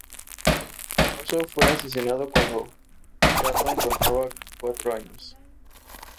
Druso fue asesinado cuando Catón contaba cuatro años.